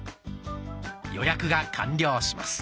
予約が完了します。